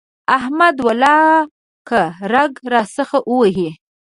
احمد ولاکه رګ راڅخه ووهي.